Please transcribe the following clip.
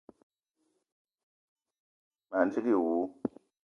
Ma ndigui wou.